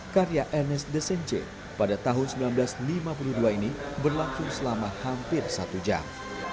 karya ernest desence pada tahun seribu sembilan ratus lima puluh dua ini berlangsung selama hampir satu jam